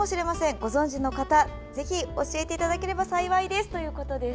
ご存じの方ぜひ教えていただければ幸いですということです。